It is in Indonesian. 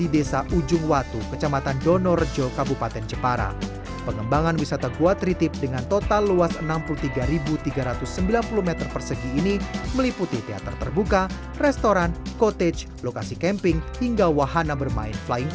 jepara juga memiliki pemerintah yang beragam dengan pemerintah yang beragam dengan pemerintah